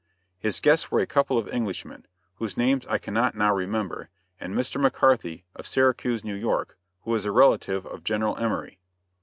His guests were a couple of Englishmen, whose names I cannot now remember and Mr. McCarthy, of Syracuse, New York, who was a relative of General Emory.